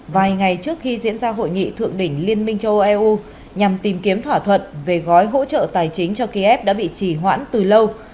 vài ngày trước khi diễn ra hội nghị thượng đỉnh liên minh châu âu eu nhằm tìm kiếm thỏa thuận về gói hỗ trợ tài chính cho kiev đã bị trì hoãn từ lâu